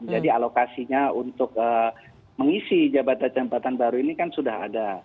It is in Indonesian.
jadi alokasinya untuk mengisi jabatan jabatan baru ini kan sudah ada